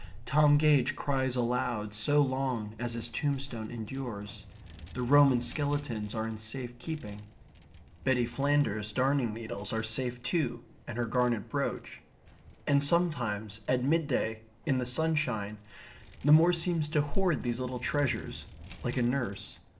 Tom Gage cries aloud so long as his tombstone endures. The Roman skeletons are in safe keeping. Betty Flanders's darning needles are safe too and her garnet brooch. And sometimes at midday, in the sunshine, the moor seems to hoard these little treasures, like a nurse.